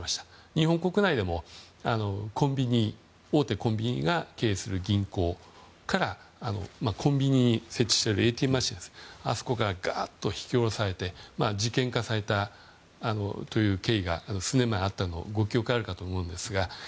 日本国内でも大手コンビニが経営する銀行からコンビニに設置しているＡＴＭでガーッと引き下ろされて事件かされたという経緯が数年前にあったのをご記憶あるかと思うんですが。